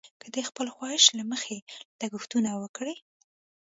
که د خپل خواهش له مخې لګښتونه وکړي.